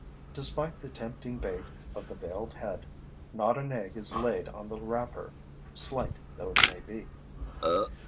Despite the tempting bait of the veiled head, not an egg is laid on the wrapper, slight though it may be.